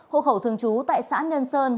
hộ khẩu thường trú tại xã nhân sơn